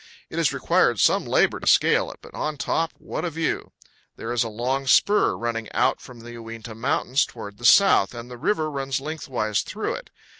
It has required some labor to scale it; but on its top, what a view! There is a long spur running out from the Uinta Mountains toward the south, and the river runs lengthwise through it.